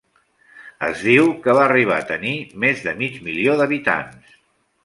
Es diu que va arribar a tenir més de mig milió d'habitants.